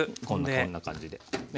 こんな感じでね。